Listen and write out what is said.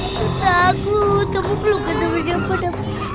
aku takut kamu belum ketemu jumpa de